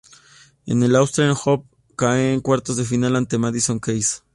En el Australian Open cae en cuartos de final ante Madison Keys.